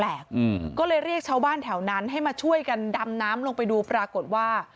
ก็เลยเรียกชาวบ้านแถวนั้นให้มาช่วยกันดำน้ำลงไปดูปรากฏว่า